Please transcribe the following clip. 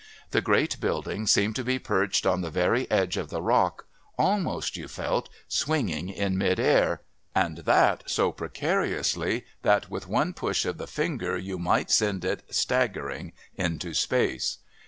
The great building seemed to be perched on the very edge of the rock, almost, you felt, swinging in mid air, and that so precariously that with one push of the finger you might send it staggering into space.